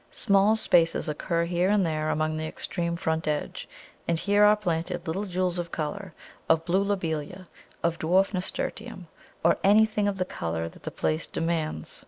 Small spaces occur here and there along the extreme front edge, and here are planted little jewels of colour, of blue Lobelia, or dwarf Nasturtium, or anything of the colour that the place demands.